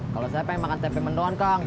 kalau saya pengen makan tempe mendoan kang